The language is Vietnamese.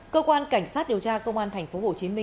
cơ quan cảnh sát điều tra công an tp hcm